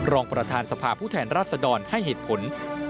รองประธานสภาผู้แทนรัศดรให้เหตุผล